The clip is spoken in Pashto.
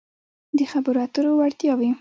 -د خبرو اترو وړتیاوې